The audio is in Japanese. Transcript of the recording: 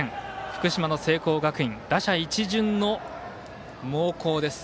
福島の聖光学院打者一巡の猛攻です。